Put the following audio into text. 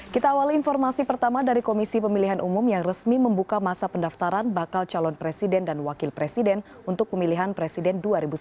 kita awal informasi pertama dari komisi pemilihan umum yang resmi membuka masa pendaftaran bakal calon presiden dan wakil presiden untuk pemilihan presiden dua ribu sembilan belas